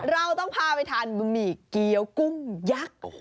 เราต้องพาไปทานบะหมี่เกี้ยวกุ้งยักษ์